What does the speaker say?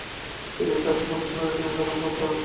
তিনি একটি আশ্রম প্রতিষ্ঠা করে সেখানে সাধনা করতে থাকেন।